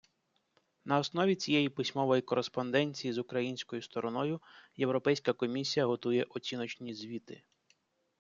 На основі цієї письмової кореспонденції з українською стороною Європейська комісія готує оціночні звіти.